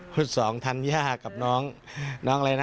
พูดสองทันยากับน้องน้องอะไรนะ